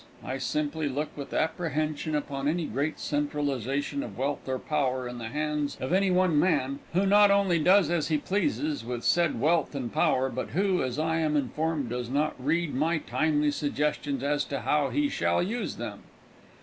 I simply look with apprehension upon any great centralization of wealth or power in the hands of any one man who not only does as he pleases with said wealth and power, but who, as I am informed, does not read my timely suggestions as to how he shall use them.